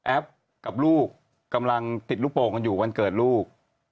กับลูกกำลังติดลูกโป่งกันอยู่วันเกิดลูก